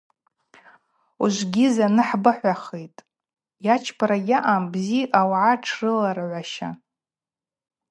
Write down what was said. Ужвыгьи зны хӏбыхӏвахитӏ: йачпара гьаъам, бзи, ауагӏа тшрыларгӏваща.